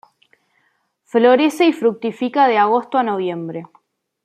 Florece y fructifica de agosto a noviembre.